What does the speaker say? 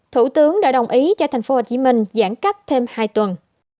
thủ tướng đã đồng ý cho tp hcm giãn cách thêm hai tuần